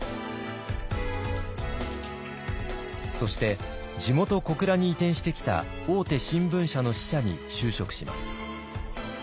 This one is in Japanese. そして地元・小倉に移転してきた大手新聞社の支社に就職します。